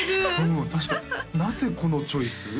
うん確かになぜこのチョイス？